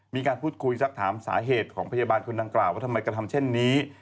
มีการพูดคุยสักถามสาเหตุของพยาบาลคนดังกล่าวว่าทำไมกระทำเช่นนี้